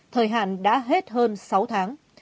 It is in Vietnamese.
thời hạn đã hết hơn sáu tháng